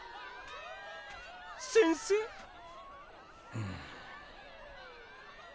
うん。